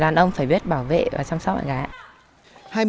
đàn ông phải biết bảo vệ và chăm sóc bạn gái